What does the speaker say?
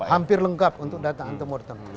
hampir lengkap untuk data antemortem